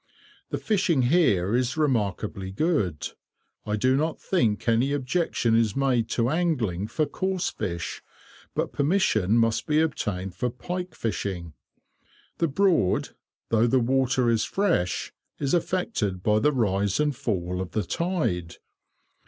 The fishing here is remarkably good. I do not think any objection is made to angling for coarse fish, but permission must be obtained for pike fishing. The Broad, though the water is fresh, is affected by the rise and fall of the tide.